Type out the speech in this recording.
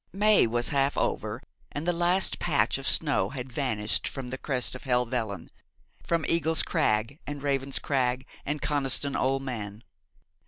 May was half over and the last patch of snow had vanished from the crest of Helvellyn, from Eagle's Crag and Raven's Crag, and Coniston Old Man.